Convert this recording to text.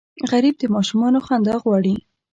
غریب د ماشومانو خندا غواړي